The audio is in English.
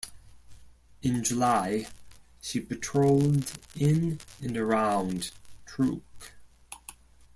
In July, she patrolled in and around Truk.